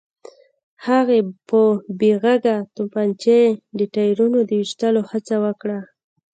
هغې په بې غږه تومانچې د ټايرونو د ويشتلو هڅه وکړه.